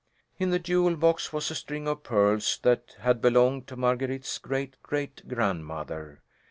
In the jewel box was a string of pearls that had belonged to Marguerite's great great grandmother.